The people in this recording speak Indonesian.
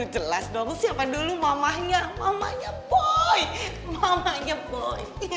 jelas dong siapa dulu mamahnya mamanya boy mamanya boy